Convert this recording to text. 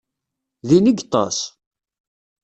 Din i yeṭṭes?